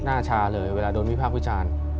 ชาเลยเวลาโดนวิพากษ์วิจารณ์